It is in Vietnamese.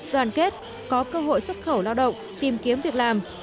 đoàn kết có cơ hội xuất khẩu lao động tìm kiếm việc làm